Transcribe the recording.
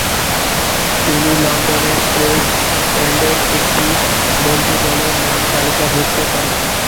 তিনি লন্ডনের ওয়েস্ট এন্ডের একটি মঞ্চদলে নাম তালিকাভুক্ত করেন।